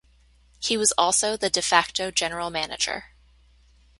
He was also the de facto General Manager.